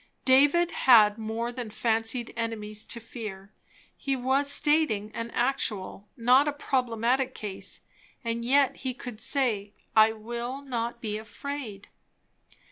David had more than fancied enemies to fear; he was stating an actual, not a problematical case; and yet he could say "_I will not be afraid"!